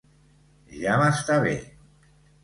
Ja m'està bé.